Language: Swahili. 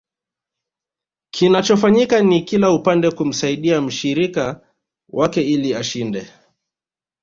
Kinachofanyika ni kila upande kumsaidia mshirika wake ili ashinde